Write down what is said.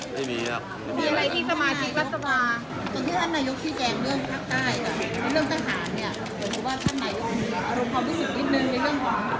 ไม่เครียดเลย